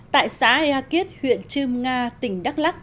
tại xã eakit huyện trương nga tỉnh đắk lắc